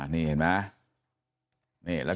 นี่เห็นไหม